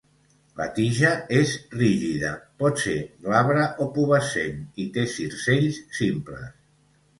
La tija és rígida, pot ser glabre o pubescent i té circells simples.